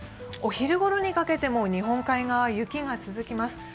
お昼頃にかけても日本海側は雪が続きます。